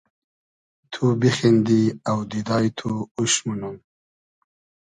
تو بیخیندی اۆدیدای تو اوش مونوم